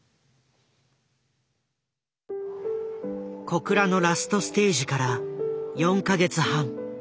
小倉のラストステージから４か月半。